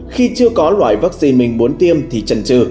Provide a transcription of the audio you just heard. khi chưa có loại vaccine mình muốn tiêm thì trần trừ